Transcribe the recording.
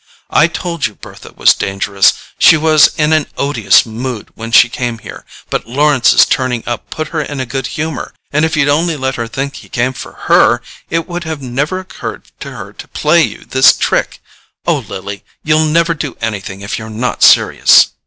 I told you Bertha was dangerous. She was in an odious mood when she came here, but Lawrence's turning up put her in a good humour, and if you'd only let her think he came for HER it would have never occurred to her to play you this trick. Oh, Lily, you'll never do anything if you're not serious!"